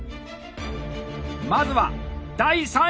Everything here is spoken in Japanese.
まずは第３位！